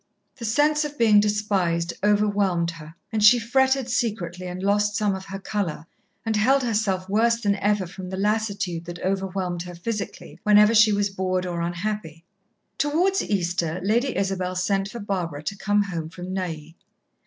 The sense of being despised overwhelmed her, and she fretted secretly and lost some of her colour, and held herself worse than ever from the lassitude that overwhelmed her physically whenever she was bored or unhappy. Towards Easter Lady Isabel sent for Barbara to come home from Neuilly.